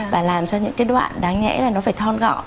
và làm cho những cái đoạn đáng nghẽ là nó phải thon gọ